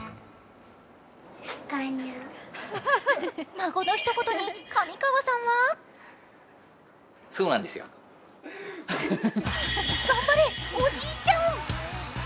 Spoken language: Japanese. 孫のひと言に、上川さんは頑張れ、おじいちゃん。